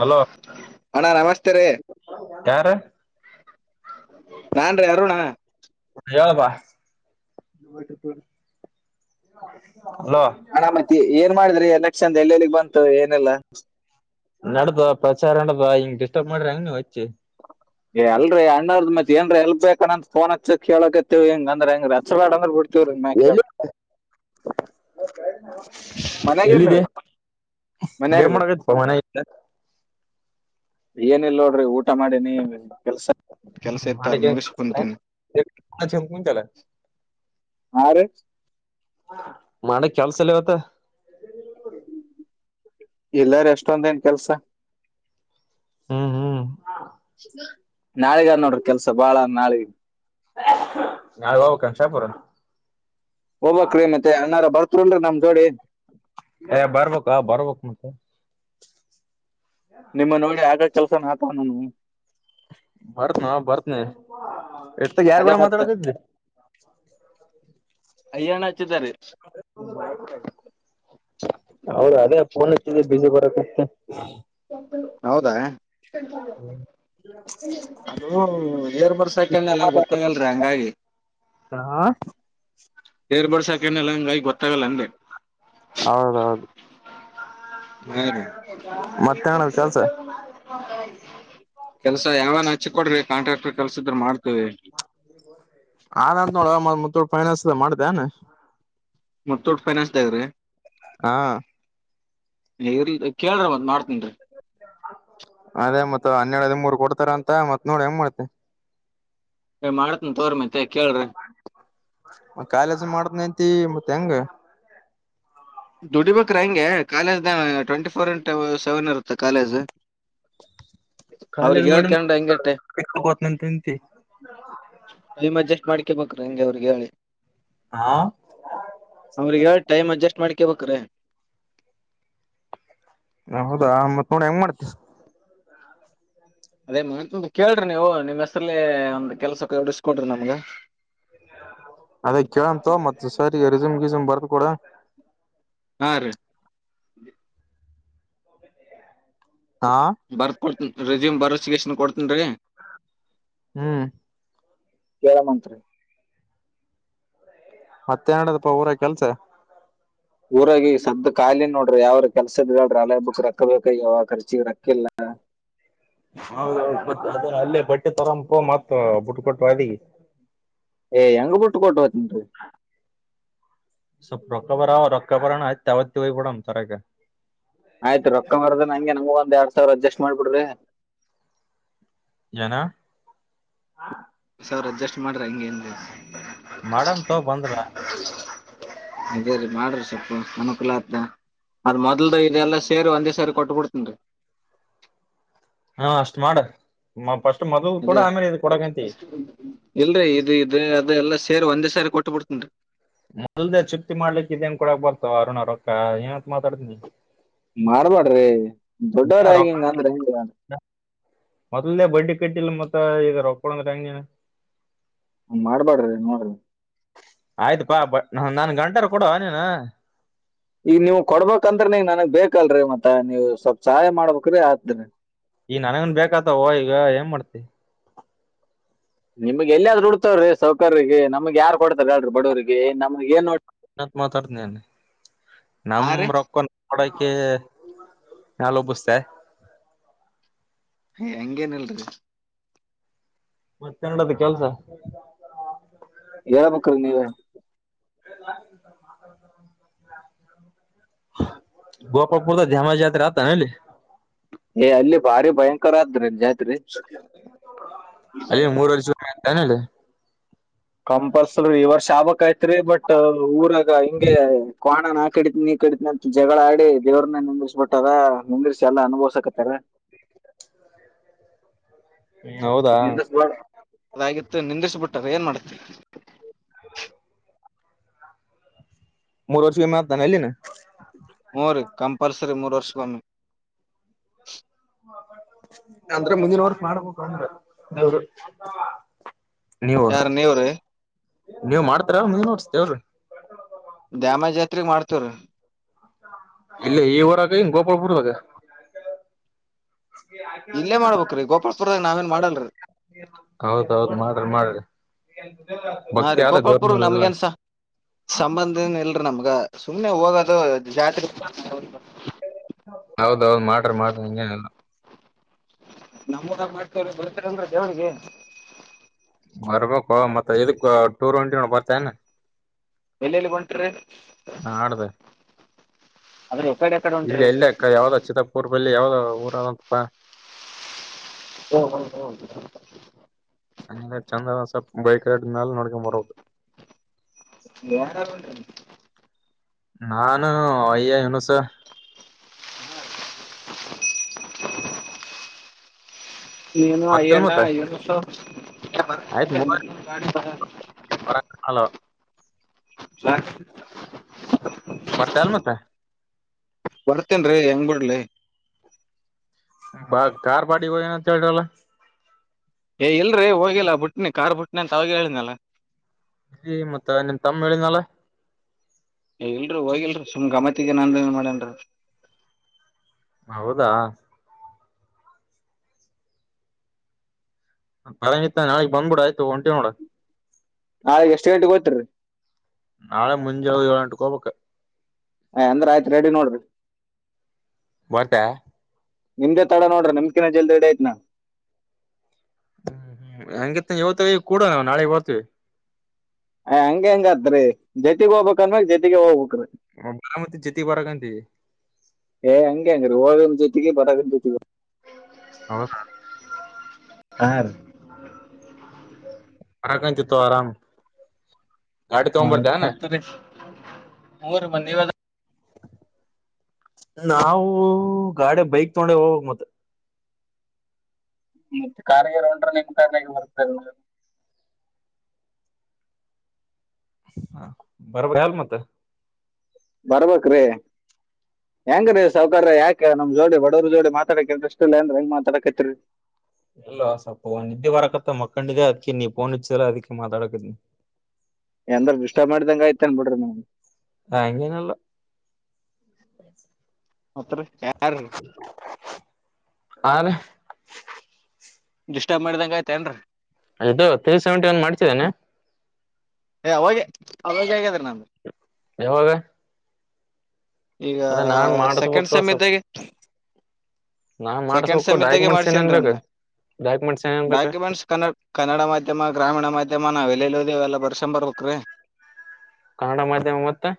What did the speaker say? Hello ಅಣ್ಣ ನಮಸ್ತೆ ರೇ ಯಾರ ನಾನ್ ರೀ ಅರುಣ ಹೇಳಳಪ್ಪಾ ಹಣ ಮತ್ತ ಏನ್ ಮಾಡಿದ್ರಿ ಎ ಲಕ್ಷನ್ ಎಲ್ಲೆಲ್ಲಿಗ್ ಬಂತು ಏನೆಲ್ಲಾ ನಡ್ದ ಪ್ರಚಾರ ನಡ್ದ ಹಿಂಗ್ ಡಿಸ್ಟರ್ಬ್ ಮಾಡ್ರಿ ಅಂಗ್ ನೀ ಹಚ್ಚಿ ಏ ಅಲ್ರಿ ಅಣ್ಣದ್ ಮತ್ತತ್ ಏನ್ರಿ ಎಲ್ ಬಬೇಕ ಅಂತ ತೋನ್ ಹಚ್ಚ ಕೇಳಕತ್ತವ ಹ ಹೆಂಗಂದ್ರ ಹೆಂಗ ಹಚ್ಬಡಂದ್ರ ಬಿ [inaudible] ಮನೆಗೇ ಇಲ್ರಿ ಎಲ್ಲಿದೆ ಏನ್ ಮನ್ ಏನ್ ಆಗದೆ ಮಾಡಕೈತಿ ಮನೆ ಏನಿಲ್ಲ ನೋಡ್ರಿ ಊಟ ಮಾಡಿನಿ ಕೆಲ್ಸ ಕ್ಯಲ್ಸ ಎತಾತ್ ಮಾಡಕ್ ಏನ್ ಮುಗೇಶ ಕುತ ಕೆಲ್ಸ ಕುಂತಲ್ಲ ಹ ರ ಮಾಡ ಕೆಲ್ಸಲ್ಲವತ್ತ ಎಲ್ಲಾರ ಎಷ್ಟೊಂದೇನ್ ಕೆಲ್ಸ ಹ್ಮ್ ಹ್ಮ್ ನಾಳಗ ನೋಡ್ರಿ ಕೆಲ್ಸ ಬಾಳ ನಾಳೆಗ ನಳು ಬಬು ಕಂಕ್ಷಾಪುರ ತ್ರಿ ನಮ್ ಜೋಡ ನ್ ಬರ್ಬೇಕ ಬರ್ಬೇಕಕ್ ಮತ್ತೆ ನಿಮ್ಮ ನೋಡಿ ಆಗ ಕೆಲ್ಸನ ಆತವಾನ ಬರ್ತ್ನ ಬರ್ತ್ನನಿ ಎತ್ತ ಯಾರ್ ಅದೇ ಕೂಡ ಮತ್ತ ಮಾತಾಡಕಿದೆ ಅಯ್ಯಾನ ಹಚ್ಚಿದರಿ ಹೌದ ಅದೇ ಫೋನ್ ಹಚ್ಚಿದ ಬ್ಯುಸಿ ಬರತಿತು ಹೌದಾ ಅದು ಏರ್ ಬುರ್ಡ್ಸ್ ಅಕಿನದ್ನಲ್ಲ ಗೊತ್ತಾಗಲ್ರಿ ಹಂಗಾಗಿ ಹಾ ಏರ್ ಬರ್ಡ್ಸ್ ಆಕಿದ್ನಲ್ಲ ಹಂಗಾಗಿ ಗೊತ್ತಾಗಲ್ಲ ಅಂದೆ ಹೌದೌದು ಹರೀ ಮತ್ತೆ ಏನದ ಕೆಲ್ಸ ಕೆಲ್ಸ ಯಾವಾನ ಹಚ್ಚಿ ಕೊಡ್ರಿ ಕಾಂಟ್ರಾಕ್ಟರ್ ಕೆಲ್ಸ ಇದ್ರ ಮಾಡ್ತೀವಿ ಹನಂದ್ ನೋಡ ಮುತೋಟ್ ಫೈನಾಸ್ಸ್ ಮಾಡ್ದದೇನ ಮುತೋಟ್ ಫೈನಾನ್ಸ್ದಗ್ರಿ ಹಾ ಇಲ್ ಕೇಳ್ರಿ ಮತ್ ಮಾಡ್ತಿನ್ರಿ ಅದೇ ಮತ್ತ ಹನ್ನೆರಡು ಹದಿಮೂರ್ ಕೊಡ್ತಾರ ಅಂತ ಮತ್ ನೋಡಿ ಹೆಂಗ್ ಮಾಡ್ತೆ ಮಾಡ್ತನಿ ತಕೋರಿ ಮತ್ ಕಾಲೇಜ ಮಾಡತಿಂನಂತಿ ಮತ್ತೆ ಹೆಂಗ ದುಡಿಬೇಕ್ರ ಹೆಂಗೆ college twenty four into seven ಇರುತ್ತ ಕಾಲೇಜ್ [inaudible] ಕಾಲೇಜ್ ಅವ್ರಿಗೆ ಮಾಡನಂತಿ ಹೇಳ್ಕೊಂಡ್ ಹಂಗೆ ಕೆಲ್ಸಕೆ ಹೋಗ್ತೀನಿ ಆಂತಿ ಟೈಮ್ ಅಡ್ಜಸ್ಟ್ ಮಾಡ್ಕೇ ಬೇಕ್ರ ಹೆಂಗೆ ಅವ್ರಿ ಹೇಳಿ ಹಾ ಅವ್ರಿಗೆ ಹೇಳಿ ಟೈಮ್ ಅಡ್ಜಸ್ಟ್ ಮಾಡ್ಬೇಕ್ರಿ ಹೌದಾ ಮತ್ ನೋಡು ಹೆಂಗ್ ಮಾಡ್ತಿ ಅದೇ ಕೇಳ್ರಿ ನೀವು ನಿಮ್ಮ್ ಹೆಸರಲ್ಲೇ ಒಂದ್ ಕೆಲ್ಸಕ್ಕೆ ಕೊಡಿಸಿಕೊಡ್ರಿ ನಮ್ಗ ಅದೇ ಕೇಳಮ್ ತಕೊ ಮತ್ತ ಸರ್ ಗೆ ರೇಸುಮ್ನೆ ಗಿಸುಮ್ ಬರ್ದ ಕೊಡ ಹಾ ರೀ ಹಾ ಬರ್ ಕೊಡ್ತನ್ ರೆಸ್ಯೂಮ್ ಬರೋಸಗಸ್ನ್ ಕೊಡ್ತನ್ರೀ ಹ್ಮ್ ಕೇಳಮಂತ್ರಿ ಮತ್ತೆ ಏನ್ ನೆಡದಪ್ಪ ಊರಗೆ ಕೆಲ್ಸ ಊರಾಗಿ ಸದ್ದ ಖಾಲಿ ನೋಡ್ರಿ ಯಾವ್ರ ಕೆಲ್ಸ ಇದ್ರೆ ಹೇಲ್ರಿ ಹಬ್ಬಕ ರೊಕ್ಕ ಬೇಕಾಗ್ಯವ ಖರ್ಚಿಗೆ ರೋಕಿಲ್ಲ [inaudible] ಹೌಹೌದು ಅಲ್ಲೇ ಬಟ್ಟೆ ತರಂಪು ಮತ್ತ [unintelligible] ಏ ಹೆಂಗ ಬಟ್ಟುಕೋಟ್ಟ ಹೋತೀನಿರಿ ಸ್ವಲ್ಪ ರೊಕ್ಕ ಬಾರ ರೊಕ್ಕ ಬರಣಯತಾವತ್ತ ಹೋಗಿ ಬಿಡಮ್ಮ ತರೋಕೆ ಆಯ್ತು ರೊಕ್ಕ ಮಾರದ ನಂಗೆ ನಂಗು ಒಂದ್ ಎರಡ್ ಸಾವಿರ ಅಡ್ಜಸ್ಟ್ ಮಾಡ್ಬಿಡ್ರಿ ಏನು ಸಾವಿರ ಅಡ್ಜಸ್ಟ್ ಮಾಡ್ರ ಹಂಗೇ ಅಂದೇ ಮಾಡಮ್ ತೋಕೊ ಬಂದ್ರೆ ಅದೇ ರೀ ಮಾಡ್ರಿ ಸ್ವಲ್ಪ ಅನುಕೂಲ ಆಗ್ತಾ ಅದ ಮೊದಲ್ದು ಇದೆಲ್ಲಾ ಸೇರಿ ಒಂದೇ ಸರಿ ಕೊಟ್ಬಿಡ್ತೇನ್ರಿ ಹಾ ಅಷ್ಟ್ ಮಾಡ ಫ್ರಿಸ್ಟ್ ಇದೆ ಇಲ್ರಿ ಇದು ಇದು ಅದು ಎಲ್ಲ ಸೇರಿ ಒಂದೇ ಸಾರಿ ಕೊಟ್ ಬಿಡ್ತೇನ್ರಿ ಮುಗ್ಗಲ್ದೇ ಚಿಂತಿ ಮಾಡ್ಲಿಕ್ಕೆ ಇದೇನ್ ಕೊಡಕ್ ಬರ್ತವ ಅರುಣ್ ರೊಕ್ಕ ಏನಂತ ಮಾತಾಡ್ದೀ ಮಾಡ್ಬಾಡ್ರಿ ಏ ದೊಡ್ಡವ್ರಗಿ ರೊಕ್ಕ ಹಿಂಗಾಂದ್ರ ಹೆಂಗ ಅಂದ್ರ? ಮೊದಲ್ನೇ ಬಡ್ಡಿ ಕಟ್ಟಿಲ್ಲ ಮತ್ತ ಈಗ ರೊಕ ಕೊಡೊಂದ್ರಾ ಹೆಂಗ ಹಂಗ್ ಮಾಡ್ಬಾಡ್ರಿ ನೋಡ್ರಿ ಆಯ್ತಪಾ ಬ ನ ನನ್ ಗಂಟಾರ ಕೊಡೋ ನೀನಾ ಈಗ ನೀವು ಕೊಡ್ಬೇಕಂದ್ರನ ನನ್ಗ್ ಬೇಕಲ್ರರಿ ಮತ್ತ ನೀವು ಸ್ವಲ್ಪ್ ಸಹಾಯ ಮಾಡ್ಬೇಕ್ರೀ ಹಾಕ್ತೀನಿ ಈ ನನಗನ್ ಬೇಕಾತವೋ ಈಗ ಏನ್ ಮಾಡ್ತಿ ನಿಮಗ್ ಎಲ್ಲಿಯಾದ್ ಹುಡ್ತಾವ್ರೀ ಸೌಕರಿಗೆ ನಮ್ಗ್ ಯಾರ್ ಕೊಡ್ತಾರ ಹೇಳ್ರಿ ಬಡವರಿಗೆ ನಮ್ಗೆ ಏನ್ ನೋಡ್ ನಮ ರೊಕ್ಕ ನೋಡಕ್ಕೆ [unintelligible] ಹಂಗೇನಿಲ್ರಿ ಮತ ಇಂಗ್ನಾಡೈತಿ ಕೆಲ್ಸ ಏಳ ಬೇಕು ಅಲ್ ನೀವೇ ಗೋಪಪುರ ಧಾಮ ಜಾತ್ರೆ ಆತ ಏನ್ ಅಲ್ಲಿ ಏ ಅಲ್ಲಿ ಭಾರಿ ಭಯಂಕರ ಆದ್ರಿ ಜಾತ್ರಿ ಅಲ್ಲಿ ಮೂರ್ ವರ್ಷಾದ ಮ್ಯಾಗ [unintelligible] ಕಂಪಲ್ಸರಿ ಈವರ್ಷಬೇಕಾಗಿತ್ರಿ ಬಟ್ ಅದು ಊರಾಗ ಹಿಂಗೆ ಕ್ವಾಣ ನಾ ಕಡಿತೀನಿ ಕಡಿತಿನಂತ್ ಜಗಳ ಆಡಿ ದೇವ್ರನ್ನ ನಿಂದರಸಬಿಟ್ಟಾರ ನಿಂದರ್ಸಿ ಎಲ್ಲಾ ಅನುಭವ್ಸಕತ್ತಾರ [inaudible] ಹೌದಾ [unintelligible] ಅದಾಗಿತ್ತು ನಿಂದಿಸ್ಬಿಟ್ಟಾರ ಏನ್ ಮಾಡ ಮೂರ್ ವರ್ಷ ಮಾಡ್ತಾನ ಅಲ್ಲಿನ ಹೂ ರೀ ಕಂಪಲ್ಸರಿ ಮೂರ್ ವರ್ಷಿಗೊಮ್ಮೆ ಅಂದ್ರೆ ಮುಂದಿನವರ್ಷ ಮಾಡಬೇಕ ಅಂದ್ರ ದೇವೃ ಯಾರ ನೀವ್ ರಿ ನೀವ್ ಮಾಡ್ತಾರ ಎನ್ ಮುಂದಿನ್ ವರ್ಷ ದೇವರು ದ್ಯಾಮಾ ಜಾತ್ರೆಗ್ ಮಾಡ್ತೇವ ರಿ ಇಲ ಈ ಊರಾಗ ಎನ್ ಗೋಪಪುರದಾಗ ಇಲ್ಲೇ ಮಾಡ್ಬೇಕ್ರಿ ಗೋಪಾಪುರದಾಗ ನಾವೇನ್ ಮಾಡಲ್ರೀ ಹೌದೌದ್ ಮಾಡ್ರಿ ಮಾಡ್ರಿ ಹಾ ಭಕ್ತಿ ರೀ ಆದ ದೇವ್ರ ಗೋಪಾಪುರ ಮೇಲೆಲ್ಲ ನಮಗೆನ್ ಸಾ ಸಂಬಂಧ ಏನ್ ಇಲ್ರಿ ನಮ್ಗ ಸುಮ್ಮ್ನೆ ಹೋಗೋದು ಜಾತ್ರೆ ಹೌದೌದ್ ಮಾಡ್ರ ಮಾಡ್ರಿ ಹಾಗೇನಿಲ್ಲ ನಮ್ಮ ಊರಾಗ ಮಾಡ್ತವ್ರ ಬರ್ತೀರೇನ್ರಿ ದೇವ್ರಿಗೆ ಬರ್ಬೇಕು ಮತ್ತ ಇದಕ್ ಟೂರ್ ಗೆ ಹೊಂಟೆವಿ ನೋಡ್ ಬರ್ತೇನ ಎಲ್ಲೆಲ್ಲಿಗ್ ಒಂಟ್ರಿ ನಾಡ್ದ ಇಲ್ಲ ಇಲ್ಲ ಯಾವ್ದ ಚಿತಪೂರ್ ಬಲ್ಲಿ ಯಾವ್ದ ಊರದಂತಪ್ಪ ಹೊಹೊಹೊ [unintelligible] ಬೈಕ್ ರೈಡ್ ಮ್ಯಲೆ ನೋಡ್ಕೊಂಡ ಬರೋದು ಯಾರ್ಯಾರ್ ಹೊಂಟ್ರಿ ನಾನು ಅಯ್ಯ ಅನುಸ [inaudible] ನೀನು ಅಯ್ಯ ಬರ್ತಿಲ್ ಮತ್ತ ಆಯ್ತ್ ಮೂವರ್ [unintelligible] [unintelligible] ಹ ಬರ್ತ ಅಲ್ [unintelligible] ಮತ್ತೆ ಬರ್ತೇನ್ ರೀ ಹೆಂಗ್ ಬಡ್ಲಿ ಬ ಕಾರ ಪಾರ್ಟಿ ಕೊ ಅಂತ ಹೇಳದಲ್ಲ ಏ ಇಲ್ರರಿ ಹೋಗಿಲ್ಲಾ ಬುಟ್ನಿ ಕಾರ್ ಬುಟ್ನಿ ಅಂತ ಅವಿ ಹೇಳನಲ್ಲ ಈ ಮತ್ತ ನಿನ್ ತಮ್ಮ ಹೇಳಿನಳ ಏ ಇಲ್ರರಿ ಹೋಗಿಲ್ರಿ ಸುಮ್ ಗಮತ್ಗೆ ನನ್ ಏನ್ ಮಾಡೇನ್ರರಿ ಹೌದಾ ಪರಂಗತ್ತ ನಾವಿಗ್ ಬಂದ್ಬಿಡ ಆಯ್ತು ಹೊಂಟಿ ನೋಡ ನಾಳೆ ಎಷ್ಟ್ ಗಂಟೆಗೆ ಹೋಗ್ತಿರಿ ನಾಳೆ ಮುಂಜಾಗ ಎಟ ಗೋಪಕ್ಕೆ ಅಂದ್ರ ಆಯ್ತ್ ರೆಡಿ ನೋಡ್ರಿ [unintelligible] ನಿಮ್ದೆ ತಡ ನೋಡ್ರಿ ನಿಮ್ಕಿನ ಜಲ್ದಿ ರೆಡಿ ಅಗಿನಿ ನಾನ್. ಹ್ಮ್ ಹ್ಮ್ ಹಂಗತ್ತ ಇವತ್ತೆ ಕೂಡ ನಾಳೆಗ್ ಬರ್ತವಿ. ಹಂಗ ಹೆಂಗ ಅತ್ರಿ ಜತಿಗೆ ಹೋಗ್ಬೇಕ್ ಅಂದಮೇಲೆ ಜೊತಿಗೆ ಹೋಗ್ಬೇಕು. ಬರಾಮತಿ ಜೊತೆಗ್ ಬರಕಂತೀವಿ ಏ ಅಂಗೆನಿಲ್ ಹೋಗ್ [unintelligible] ಹೌದಾ. ಹ್ಹ್ ರಿ. [unintelligible] ಆರಾಮ ಆಯ್ತ್ ಮತ್ತರಿ ಮುರ ಮಂದ ನೀವ್. ನಾವು ಗಾಡಿ ಬೈಕ್ ತಗೊಂಡೆ ಹೋಗಬೇಕು ಮತ್ತ. ಮತ್ತೆ ಕಾರ ಗಿರ್ ರೊಂಡ್ರ ನಿಮ ಕಾರಿನ್ಯಗ ಬರ್ತೀವಿ ಮತ್ತಾ. [unintelligible] ಮತ್ತ ಬರ್ಬೇಕ್ರೀ. ಹೆಂಗರೀ ಸೌಕರ್ಯ ಯಾಕ ನಮ್ ಜೋಡಿ ಬಡವರ ಜೋಡಿ ಮಾತಾಡಕಲ್ ಇನ್ಸ್ಟ್ರೀಸ್ ಇಲ್ಲೆನ್ರಿ ಹೆಂಗ ಮಾತಾಡಕತ್ರಿ. ಇಲ್ಲೋ ಸ್ವಲ್ಪ ನಿದ್ದೆ ಬರಕತ್ತ ಮಕ್ಕಂಡಿದೇ ಅದಕಿ ನೀ ಪೋನ್ ಅಚ್ಚಿದೆಲ್ಲ ಅದ್ಕ್ ಮಾತಾಡಕತಿನಿ. ಎಂದ್ರ ಡಿಸ್ಟರ್ಬ್ ಮಾಡಿದಂಗ ಆಯ್ತ ಎನ್ ಬಿಡ್ರಿ ನಿಮ್ಗ. ಹ ಹಂಗೇನಿಲ್ಲ. ಮತ್ ರಿ [unintelligible] ಆದ್ರೆ ಡಿಸ್ಟರ್ಬ್ ಮಾಡ್ದಂಗ ಆಯ್ತೇನ್ರೀ. ಅದು ತ್ರೀ ಸೆವೆಂಟಿ ಒನ್ ಮಾಡ್ಸಿಧೇನು. ಏ ಅವಾಗ ಅವಾಗ ಆಗಿದ್ರೆ ನಂದು. ಯವಾಗ. ಈಗ ಸೆಕೆಂಡ್ ಮಾಡಸ್ಬೇಕು ಸೆಮ್ ಸ್ವಲ್ಪ ಇದ್ದಾಗೆ. ನಾನ್ ಸೆಕೆಂಡ್ ಮಾಡಸ್ಬೇಕು ಸೇಮ್ ಇದ್ದಾಗ ಡಾಕ್ಯುಮೆಂಟ್ಸ್ ಏನೇನ್ ಮಾಡ್ಸೇನಿ ನಾ. ಬೇಕು ಡಾಕ್ಯುಮೆಂಟ್ಸ್ ಏನೇನ್ ಬೇಕು ಡಾಕ್ಯುಮೆಂಟ್ಸ್ ಕನ್ನಡ ಕನ್ನಡ ಮಾಧ್ಯಮ ಗ್ರಾಮೀಣ ಮಾಧ್ಯಮ ನಾ ಎಲ್ಲೆಲ್ಲಿ ಓದ. ಅವೆಲ್ಲ ಬರ್ಸ್ಕೊಂಡು ಬರಬೇಕ್ರಿ. ಕನ್ನಡ ಮಾಧ್ಯಮ ಮತ್ತೆ.